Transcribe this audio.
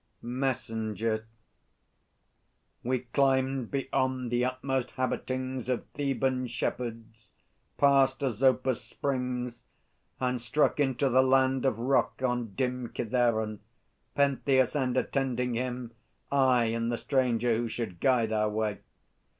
MESSENGER. We climbed beyond the utmost habitings Of Theban shepherds, passed Asopus' springs, And struck into the land of rock on dim Kithaeron Pentheus, and, attending him, I, and the Stranger who should guide our way.